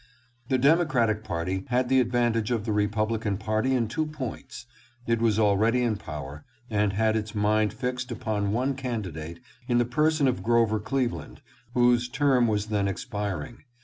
The Democratic party had the advantage of the Republican party in two points : it was already in power, and had its mind fixed upon one candidate, in the person of Grover Cleveland, whose term was then expiring.